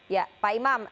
ya pak imam